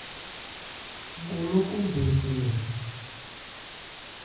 Bho lókɔn bɛn se mɛn.